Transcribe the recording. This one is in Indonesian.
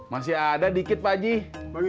masih ada dikit bagi boajih